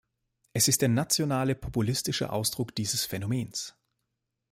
Es ist der nationale, populistische Ausdruck dieses Phänomens.